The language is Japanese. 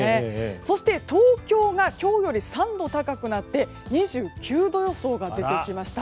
そして、東京が今日より３度高くなって２９度予想が出てきました。